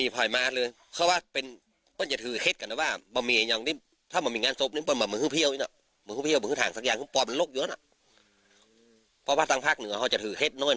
เพราะภาษณ์ภาคเหนือเขาจะถือเห็ดน้อย